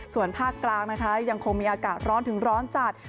ส่วนภาคกลางนะคะยังคงมีอากาศร้อนถึงร้อนจัด